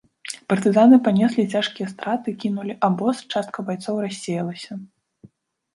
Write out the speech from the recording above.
Партызаны панеслі цяжкія страты, кінулі абоз, частка байцоў рассеялася.